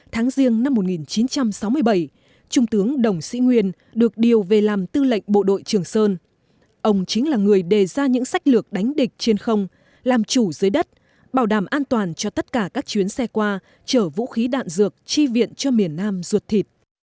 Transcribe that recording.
tháng riêng năm một nghìn chín trăm sáu mươi bảy trung tướng đồng sĩ nguyên được điều về làm tư lệnh bộ đội trường sơn ông chính là người đề ra những sách lược đánh địch trên không làm chủ dưới đất bảo đảm an toàn cho tất cả các chuyến xe qua chở vũ khí đạn dược chi viện cho miền nam ruột thịt